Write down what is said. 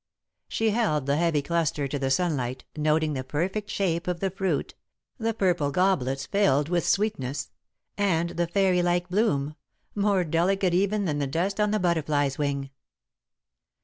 She held the heavy cluster to the sunlight, noting the perfect shape of the fruit, the purple goblets filled with sweetness, and the fairy like bloom, more delicate even than the dust on the butterfly's wing.